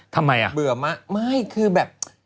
ทำไมอ่ะเบื่อมะไม่คือแบบ